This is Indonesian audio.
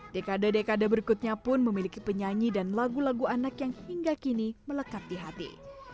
dekade dekade berikutnya pun memiliki penyanyi dan lagu lagu anak yang hingga kini melekat di hati